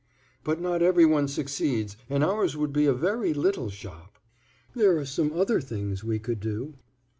"But not every one succeeds, and ours would be a very little shop." "There are some other things we could do."